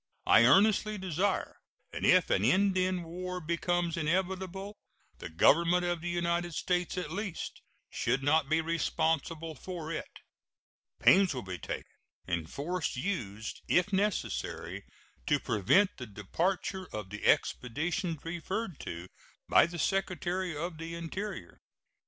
I earnestly desire that if an Indian war becomes inevitable the Government of the United States at least should not be responsible for it. Pains will be taken, and force used if necessary, to prevent the departure of the expeditions referred to by the Secretary of the Interior.